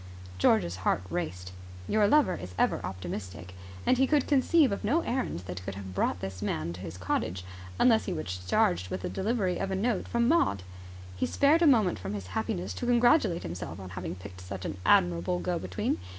George's heart raced. Your lover is ever optimistic, and he could conceive of no errand that could have brought this man to his cottage unless he was charged with the delivery of a note from Maud. He spared a moment from his happiness to congratulate himself on having picked such an admirable go between.